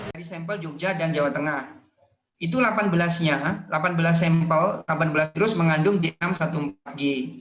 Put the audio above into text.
dari sampel jogja dan jawa tengah itu delapan belas sampel mengandung d enam ratus empat belas g